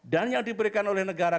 dan yang diberikan oleh negara